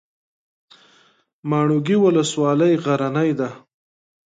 ماڼوګي ولسوالۍ غرنۍ ده؟